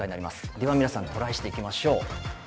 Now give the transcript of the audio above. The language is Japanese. では皆さん、トライしていきましょう。